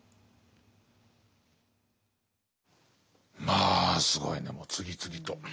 まあすごいねもう次々と。